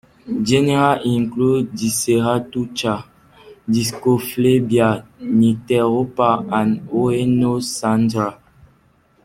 Genera include "Diceratucha", "Discophlebia", "Nycteropa", and "Oenosandra".